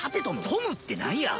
トムってなんや？